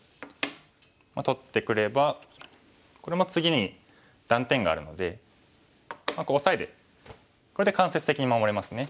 取ってくればこれも次に断点があるのでオサエでこれで間接的に守れますね。